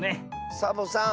サボさん